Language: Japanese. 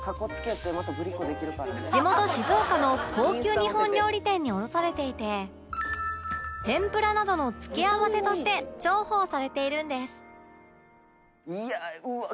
地元静岡の高級日本料理店に卸されていて天ぷらなどの付け合わせとして重宝されているんです